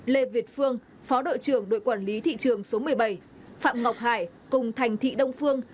lê việt phương phó đội trưởng đội quản lý thị trường số một mươi bảy phạm ngọc hải cùng thành thị đông phương